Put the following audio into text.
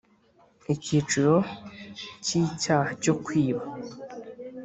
Icyiciro cya Icyaha cyo kwiba